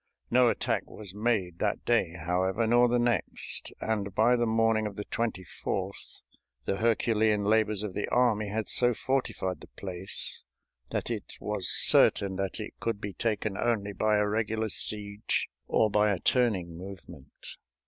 No attack was made that day, however, nor the next, and by the morning of the 24th the Herculean labors of the army had so fortified the place that it was certain that it could be taken only by a regular siege or by a turning movement.